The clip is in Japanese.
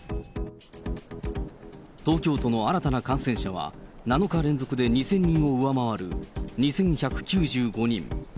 東京都の新たな感染者は、７日連続で２０００人を上回る、２１９５人。